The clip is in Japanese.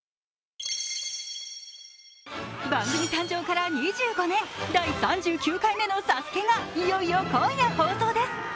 番組誕生から２５年、第３９回目の「ＳＡＳＵＫＥ」がいよいよ今夜放送です。